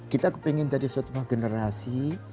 kita ingin jadi suatu generasi